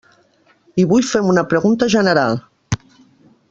I vull fer una pregunta general.